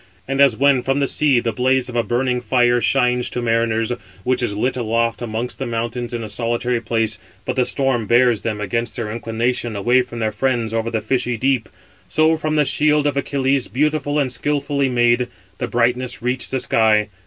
639 And as when from the sea the blaze of a burning fire shines to mariners, which is lit aloft amongst the mountains in a solitary place; but the storm bears them against their inclination away from their friends over the fishy deep; so from the shield of Achilles, beautiful and skilfully made, the brightness reached the sky.